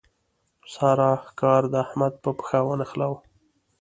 سارا کار د احمد په پښه ونښلاوو.